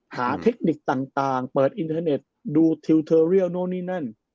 เทคนิคต่างเปิดอินเทอร์เน็ตดูทิวเทอร์เรียลโน้นนี่นั่น